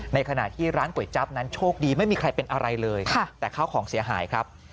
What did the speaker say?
ในขณะที่ร้านก๋วยจั๊บนั้นโชคดีไม่มีใครเป็นอะไรเลยแต่ข้าวของเสียหายครับ